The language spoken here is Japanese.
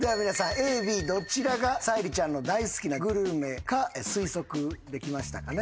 ＡＢどちらが沙莉ちゃんの大好きなグルメか推測できましたかね。